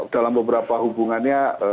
dalam beberapa hubungannya